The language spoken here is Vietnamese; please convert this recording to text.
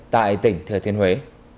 tại tỉnh thừa thiên huế